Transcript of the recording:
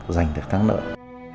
giành được thắng lợi